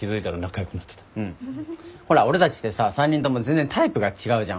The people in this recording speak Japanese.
ほら俺たちってさ３人とも全然タイプが違うじゃん。